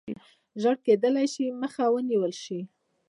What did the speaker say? ژر کېدلای شي مخه ونیوله شي.